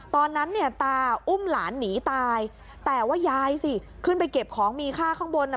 ตอนนั้นเนี่ยตาอุ้มหลานหนีตายแต่ว่ายายสิขึ้นไปเก็บของมีค่าข้างบนอ่ะ